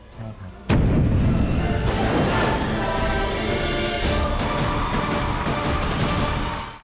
ใช่ครับ